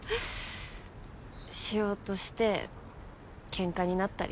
しようとしてケンカになったり。